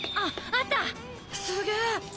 すげえ！